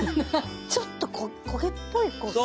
ちょっと焦げっぽい。